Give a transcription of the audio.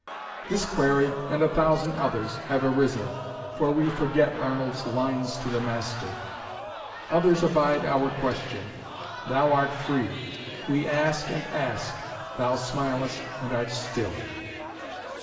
This query, and a thousand others, have arisen; for we forget Arnold's lines to the Master: "Others abide our question. Thou art free. We ask and ask thou smilest and art still."